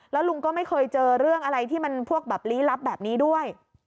แล้วลุงก็ไม่เคยเจอเรื่องอะไรที่มันพวกแบบลี้ลับแบบนี้ด้วย